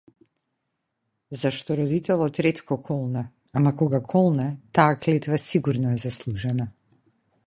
Зашто, родителот ретко колне, ама кога колне, таа клетва сигурно е заслужена.